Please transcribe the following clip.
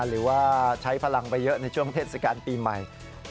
หรือว่าใช้พลังไปเยอะในช่วงเทศกาลปีใหม่